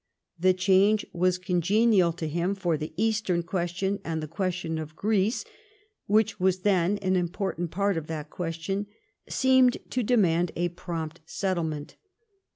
The change was congenial to him, for the Eastern question and the question of Greece, which was then an important part of that question, seemed to demand a prompt settlement.